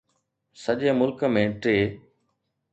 سڄي ملڪ ۾ ٽي